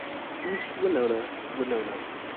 East Winona - Winona.